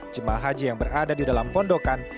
jemaah haji yang berada di dalam pondokan